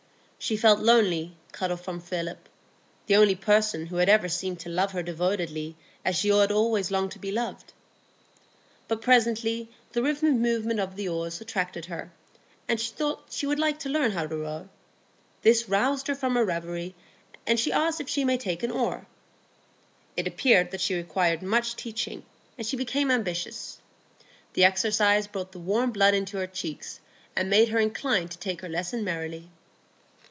She felt lonely, cut off from Philip,—the only person who had ever seemed to love her devotedly, as she had always longed to be loved. But presently the rhythmic movement of the oars attracted her, and she thought she should like to learn how to row. This roused her from her reverie, and she asked if she might take an oar. It appeared that she required much teaching, and she became ambitious. The exercise brought the warm blood into her cheeks, and made her inclined to take her lesson merrily.